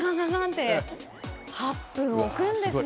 ８分、置くんですね。